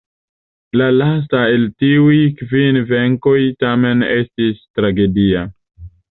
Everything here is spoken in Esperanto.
La lasta el tiuj kvin venkoj tamen estis tragedia.